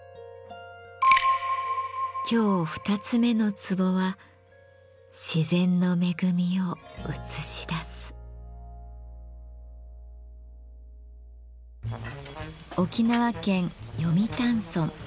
今日２つ目の壺は沖縄県読谷村。